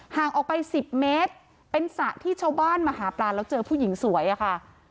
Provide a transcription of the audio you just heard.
ห่างออกไป๑๐เมตรเป็นสระที่ชาวบ้านมาหาปลาแล้วเจอผู้หญิงสวยอะค่ะ